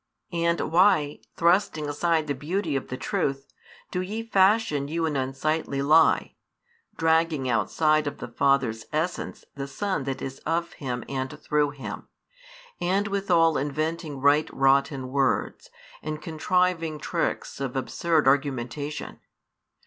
And why, thrusting aside the beauty of the Truth, do ye fashion you an unsightly lie, dragging outside of the Father's essence the Son that is of Him and through Him, and withal inventing right rotten words, and contriving tricks of absurd argumentation?